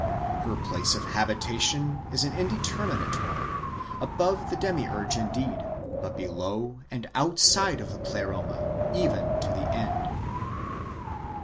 ^ Her place of habitation is an intermediate one, above the Demiurge indeed, but below and outside of the Pleroma, even to the end.